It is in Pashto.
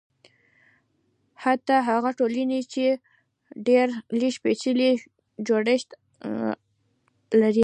حتی هغه ټولنې چې ډېر لږ پېچلی جوړښت لري.